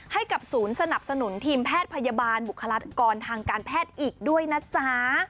ให้กับศูนย์สนับสนุนทีมแพทย์พยาบาลบุคลากรทางการแพทย์อีกด้วยนะจ๊ะ